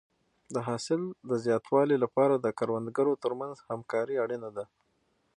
د حاصل د زیاتوالي لپاره د کروندګرو ترمنځ همکاري اړینه ده.